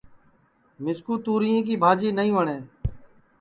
مِسکُو توریں کی بھاجی نائی وٹؔیں